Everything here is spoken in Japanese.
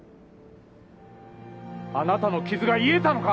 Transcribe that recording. あなたの傷が癒えたのか！？